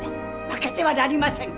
負けてはなりません！